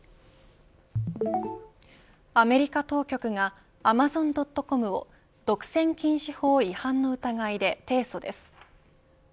アメリカ当局がアマゾン・ドット・コムを独占禁止法違反の疑いで提訴です。